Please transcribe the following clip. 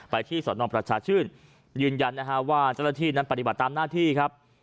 ไปที่สอนอประชาชื่นยืนยันว่าเจ้าตัวนั้นปฏิบัติตามหน้าที่ครับ